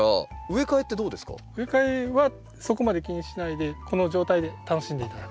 植え替えはそこまで気にしないでこの状態で楽しんで頂く。